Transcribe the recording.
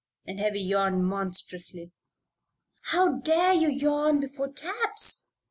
and Heavy yawned monstrously. "How dare you yawn before 'taps'?"